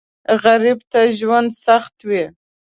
غریب ته ژوند سخت وي